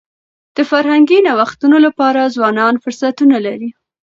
د فرهنګي نوښتونو لپاره ځوانان فرصتونه لري.